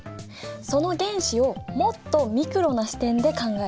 その原子をもっとミクロな視点で考えると？